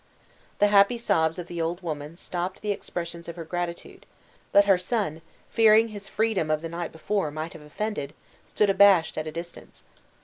The happy sobs of the old woman stopped the expressions of her gratitude, but her son, fearing his freedom of the night before might have offended, stood abashed at a distance.